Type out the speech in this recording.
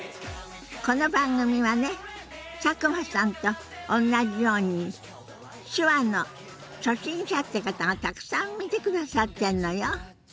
この番組はね佐久間さんとおんなじように手話の初心者って方がたくさん見てくださってんのよ。